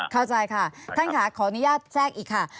เข้าใจค่ะท่านค่ะขออนุญาตแทรกอีกค่ะ